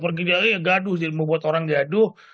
perkegaduhan membuat orang gaduh